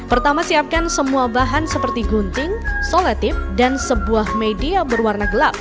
pertama siapkan semua bahan seperti gunting soletip dan sebuah media berwarna gelap